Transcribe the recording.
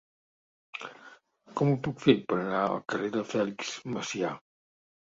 Com ho puc fer per anar al carrer de Fèlix Macià?